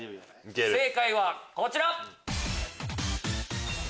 正解はこちら！